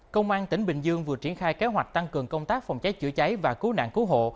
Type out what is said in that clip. công an tỉnh bình dương vừa triển khai kế hoạch tăng cường công tác phòng cháy chữa cháy và cứu nạn cứu hộ